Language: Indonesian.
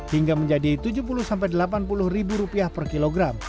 hingga menjadi tujuh puluh sampai delapan puluh ribu rupiah per kilogram